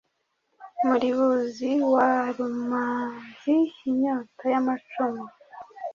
Muribuzi wa Rumanzi inyota y'amacumu;